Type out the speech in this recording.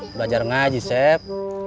belajar ngaji sep